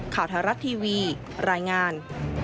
ข่าวธารักษ์ทีวีรายงาน